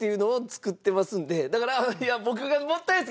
だからいや。